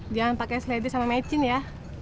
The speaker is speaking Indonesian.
jangan pakai selede sama mecin ya